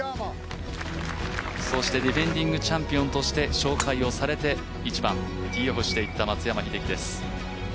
そしてディフェンディングチャンピオンとして紹介をされて１番、ティーオフしていった松山英樹です。